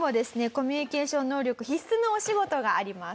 コミュニケーション能力必須のお仕事があります。